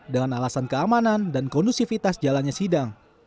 dengan alasan keamanan dan kondusivitas jalannya sidang